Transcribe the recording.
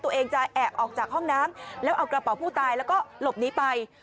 ตัวเองจะแอบออกจากห้องน้ำแล้วเอากระเป๋าผู้ตายแล้วก็หลบหนีไป